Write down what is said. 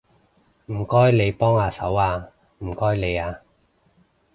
唔該你幫下手吖，唔該你吖